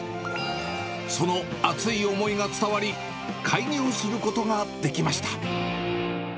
その熱い思いが伝わり、開業することができました。